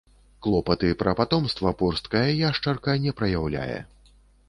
Клопаты пра патомства порсткая яшчарка не праяўляе.